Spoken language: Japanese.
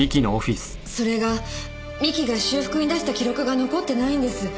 それが三木が修復に出した記録が残ってないんです。